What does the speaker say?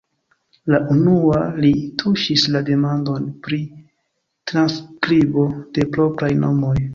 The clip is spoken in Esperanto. La unua li tuŝis la demandon "Pri transskribo de propraj nomoj".